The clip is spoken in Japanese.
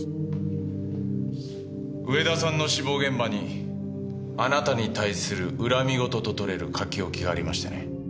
上田さんの死亡現場にあなたに対する恨み言ととれる書き置きがありましてね。